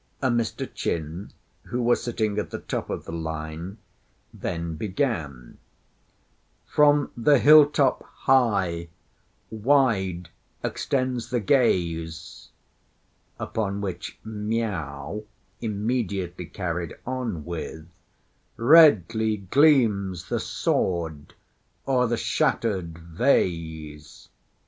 A Mr. Chin, who was sitting at the top of the line, then began: "From the hill top high, wide extends the gaze " upon which Miao immediately carried on with "Redly gleams the sword o'er the shattered vase."